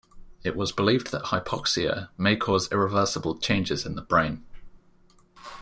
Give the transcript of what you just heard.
It was believed that hypoxia may cause irreversible changes in the brain.